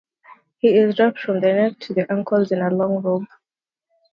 He is draped from the neck to the ankles in a long robe.